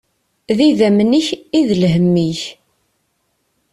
D idammen-ik i d lhemm-ik.